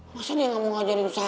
masa nih gak mau ngajarin saya pak